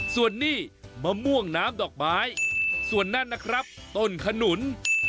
ส่วนนี้มะม่วงน้ำดอกไม้ส่วนนั่นนะครับต้นขนุน